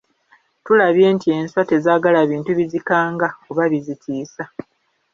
Tulabye nti enswa tezaagala bintu bizikanga oba bizitiisa.